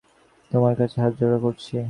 তোমার কাছে হাতজোড় করছি।